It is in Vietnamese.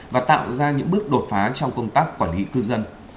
và tạo ra những bước đột phá trong công tác quản lý cư dân